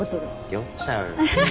酔っちゃうよ。